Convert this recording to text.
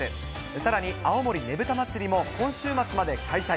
さらに、青森ねぶた祭も、今週末まで開催。